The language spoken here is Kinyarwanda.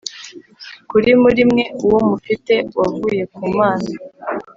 kuri muri mwe, uwo mufite wavuye ku Mana?